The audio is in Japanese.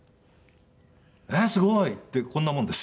「えーすごーい！」ってこんなもんです。